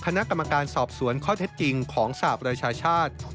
คณะกรรมการสอบสวนข้อเท็จจริงของสหประชาชาติ